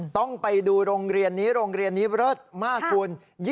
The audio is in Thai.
ต้องไปดูโรงเรียนนี้โรงเรียนนี้เลิศมากคุณ